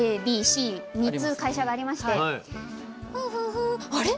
ＡＢＣ３つ会社がありまして「あれ？